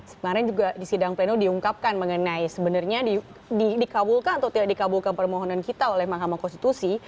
sebenarnya juga di sidang pleno diungkapkan mengenai sebenarnya dikabulkan atau tidak dikabulkan permohonan kita oleh mahkamah konstitusi